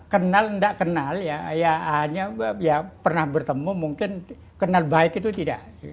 kenal tidak kenal ya hanya ya pernah bertemu mungkin kenal baik itu tidak